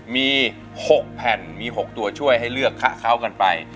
มี๖แผ่นมี๖ตัวช่วยให้เลือกคะเขากันไป